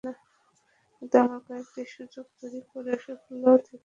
কিন্তু আমরা কয়েকটি সুযোগ তৈরি করেও সেগুলো থেকে গোল করতে পারিনি।